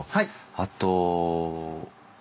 あと。